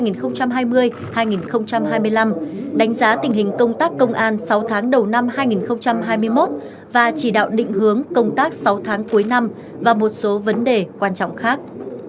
đánh giá tình hình công tác công an sáu tháng đầu năm hai nghìn hai mươi một và chỉ đạo định hướng công tác sáu tháng cuối năm và một số vấn đề quan trọng khác